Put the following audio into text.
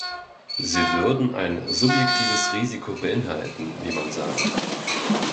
Sie würden ein "subjektives Risiko" beinhalten, wie man sagt.